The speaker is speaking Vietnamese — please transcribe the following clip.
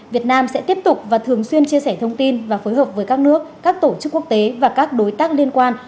việt nam sẽ tiếp tục và thường xuyên chia sẻ thông tin và phối hợp với các nước các tổ chức quốc tế và các đối tác liên quan